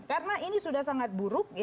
karena ini sudah sangat buruk